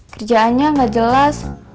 kerjaannya gak jelas